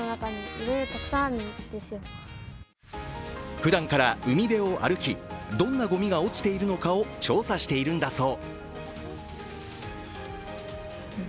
ふだんから海辺を歩き、どんなごみが落ちているのかを調査しているんだそう。